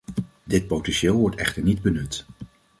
Dit potentieel wordt echter niet benut.